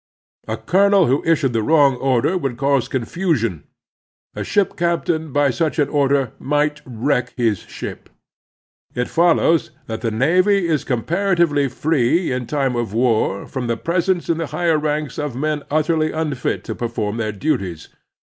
A colonel who issued the wrong order would cause confusion. A ship captain by such an order might wreck his ship. It follows that the navy is comparatively free in time of war from the presence in the higher ranks of men utterly tmfit to perform their duties.